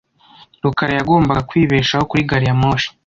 rukara yagombaga kwibeshaho kuri gari ya moshi .